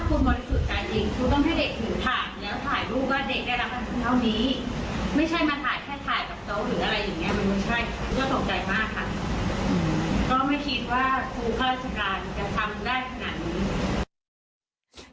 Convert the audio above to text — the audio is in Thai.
ก็ไม่คิดว่าครูราชการจะทำได้ขนาดนี้